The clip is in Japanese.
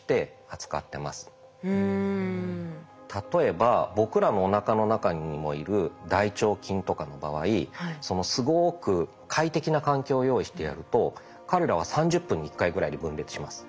例えば僕らのおなかの中にもいる大腸菌とかの場合すごく快適な環境を用意してやると彼らは３０分に１回ぐらいで分裂します。